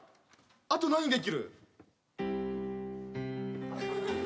あと何できる？